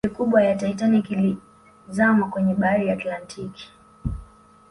Meli kubwa ya Titanic ilizama kwenye bahari ya Atlantic